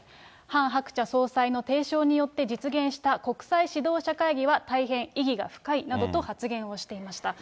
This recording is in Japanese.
ハン・ハクチャ総裁の提唱によって、実現した国際指導者会議は大変意義が深いなどと発言をしていました。